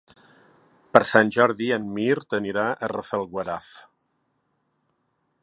Per Sant Jordi en Mirt anirà a Rafelguaraf.